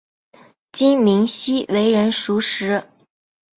金珉锡为人熟识。